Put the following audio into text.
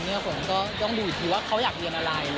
ผมก็ต้องดูอีกทีว่าเขาอยากเรียนอะไร